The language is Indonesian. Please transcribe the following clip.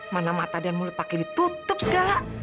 mana mata dan mulut pakai ditutup segala